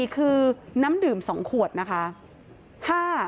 ๔คือน้ำดื่ม๒ขวดนะคะ